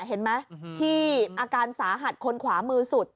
เห็นไหมที่อาการสาหัสคนขวามือสุด